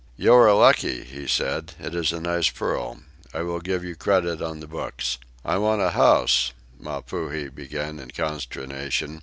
"You are lucky," he said. "It is a nice pearl. I will give you credit on the books." "I want a house," Mapuhi began, in consternation.